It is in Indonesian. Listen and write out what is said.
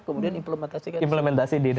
kemudian implementasi ke indonesia